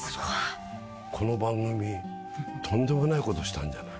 この番組とんでもないことしたんじゃない？